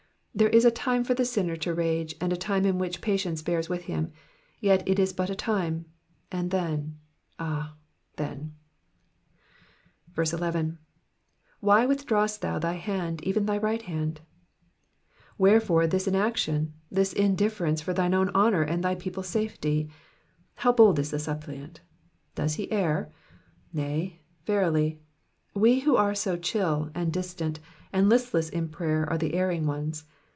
There is a time for the sinner to rage, and a time in which patience bears with him ; yet it is but a time, and then, ah, then ! 11. ^''Why withdrawest thou thy hand^ even thy right handV Wherefore this inaction, this indifference for thine own honour and thy people's safety ? How bold is the suppliant ! Does he err ? Nay, verily, we who are so chill, and distant, and listless in prayer are the erring ones.